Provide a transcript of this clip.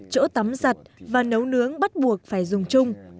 chỗ tắm giặt và nấu nướng bắt buộc phải dùng chung